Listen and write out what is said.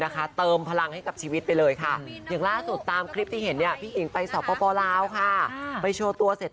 คำถามที่อยากรับ